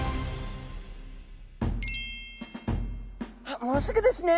あっもうすぐですね。